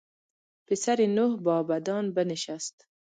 پسر نوح با بدان بنشست.